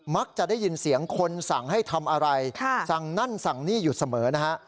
จะได้ยินเสียงคนสั่งให้ทำอะไรสั่งนั่นสั่งนี่อยู่เสมอนะฮะ